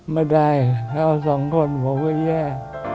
ไม่ได้กล้าสองคนผมและแย่